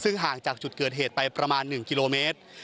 ซึ่งห่างจากจุดเกิดเหตุไปประมาณ๑กิโลเมตร